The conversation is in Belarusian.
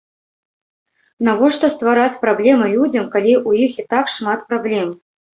Навошта ствараць праблемы людзям, калі ў іх і так шмат праблем?